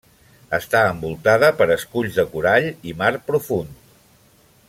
Està envoltada per esculls de corall i mar profund.